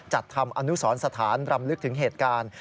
จัดทำอนุสรสถานรำลึกถึงเหตุการณ์